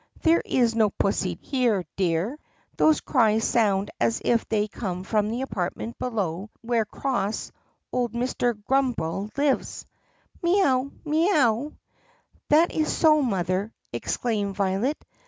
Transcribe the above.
"There is no pussy here, dear. Those cries sound as if they come from the apartment below where cross old Mr. Grumm bel lives." "MEE OW! MEE OW!" "That is so, Mother!" exclaimed Violet.